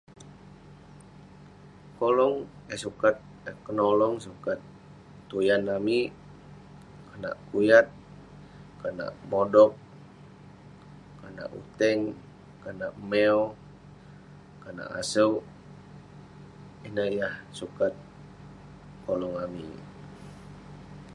Kolong eh sukat kenolong, eh sukat tuyan amik konak kuyat, konak modog, konak uteng, konak meow, konak asouk. Ineh yah sukat kolong amik.